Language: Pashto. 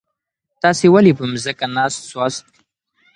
تاسي ولي په مځکي ناست سواست؟